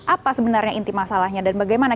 apa sebenarnya inti masalahnya dan bagaimana